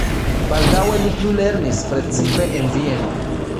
Baldaŭe li plulernis precipe en Vieno.